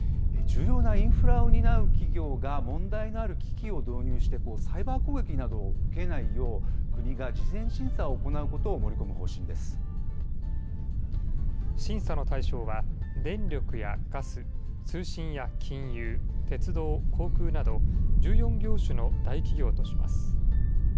重要なインフラを担う企業が問題のある機器を導入して、サイバー攻撃などを受けないよう、国が事前審査を行うことを盛り込む方針審査の対象は、電力やガス、通信や金融、鉄道、航空など、１４業種の大企業とします。